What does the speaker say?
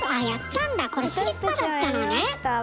これスリッパだったのね。